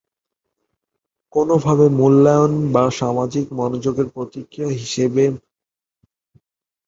কোনোভাবে মূল্যায়ন বা সামাজিক মনোযোগের প্রতিক্রিয়া হিসাবে মুখ, ঘাড় এবং বুকের অনিয়মিতভাবে লালচে বর্ণ ধারণ করে এর ফলে।